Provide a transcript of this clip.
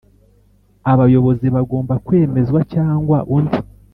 Abayobozi bagomba kwemezwa cyangwa undi